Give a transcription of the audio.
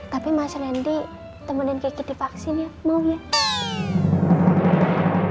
tapi mas lendi temenin kiki divaksin ya